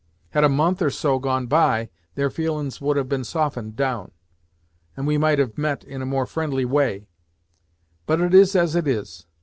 Had a month, or so, gone by, their feelin's would have been softened down, and we might have met in a more friendly way, but it is as it is.